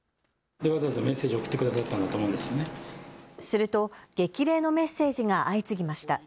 すると激励のメッセージが相次ぎました。